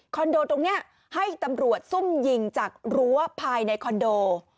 โดตรงนี้ให้ตำรวจซุ่มยิงจากรั้วภายในคอนโด